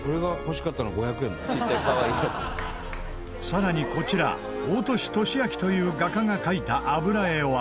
さらにこちら大歳敏秋という画家が描いた油絵は。